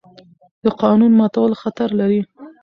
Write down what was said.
د قانون ماتول خطر لري